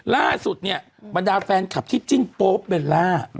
ล่าสุดเนี่ยบรรดาแฟนคลับที่จิ้นโป๊ปเบลล่า